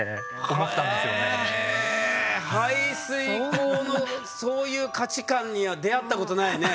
排水溝のそういう価値観には出会ったことないね。